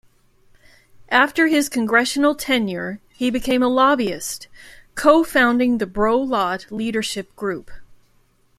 After his congressional tenure, he became a lobbyist, co-founding the Breaux-Lott Leadership Group.